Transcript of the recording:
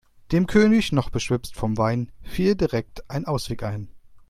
Dem König, noch beschwipst vom Wein, fiel direkt ein Ausweg ein.